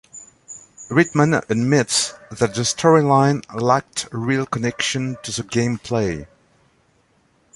Ritman admits that the storyline lacked real connection to the gameplay.